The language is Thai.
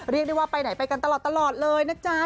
เรียกได้ว่าไปไหนไปกันตลอดเลยนะจ๊ะ